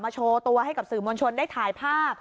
โชว์ตัวให้กับสื่อมวลชนได้ถ่ายภาพ